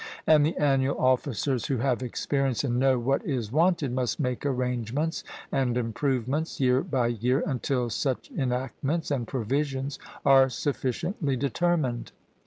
And the annual officers who have experience, and know what is wanted, must make arrangements and improvements year by year, until such enactments and provisions are sufficiently determined.